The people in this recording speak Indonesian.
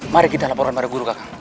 mari kita laporkan pada guru kakak